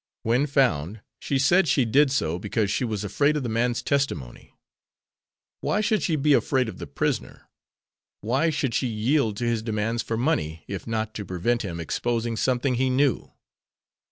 When found she said she did so because she was afraid of the man's testimony. Why should she be afraid of the prisoner! Why should she yield to his demands for money if not to prevent him exposing something he knew!